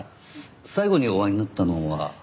最後にお会いになったのは？